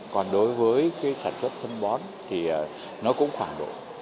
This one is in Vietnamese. còn đối với sản xuất phân bón nó cũng khoảng bốn mươi sáu mươi